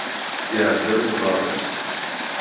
Iɛedda uḍar-is.